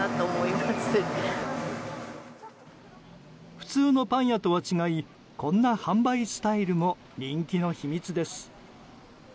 普通のパン屋とは違いこんな販売スタイルも人気の秘密です。